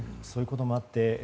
そういうこともあって